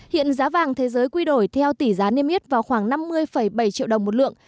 hiện giá vàng thế giới quy đổi theo tỷ giá niêm yết vào khoảng năm mươi bảy triệu đồng một lượng